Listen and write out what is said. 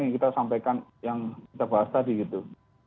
yang kita sampaikan yang kita bahas tadi gitu